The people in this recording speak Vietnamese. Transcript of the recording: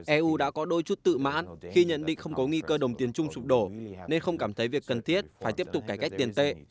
eu đã có đôi chút tự mãn khi nhận định không có nghi cơ đồng tiền chung sụp đổ nên không cảm thấy việc cần thiết phải tiếp tục cải cách tiền tệ